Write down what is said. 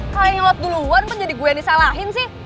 kalian yang lot duluan pun jadi gue yang disalahin sih